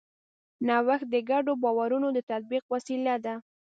نوښت د ګډو باورونو د تطبیق وسیله ده.